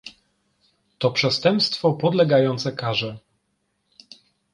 To przestępstwo podlegające karze